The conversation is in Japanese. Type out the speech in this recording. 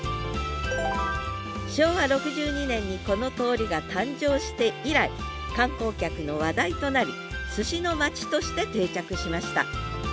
昭和６２年にこの通りが誕生して以来観光客の話題となり“すしの町”として定着しました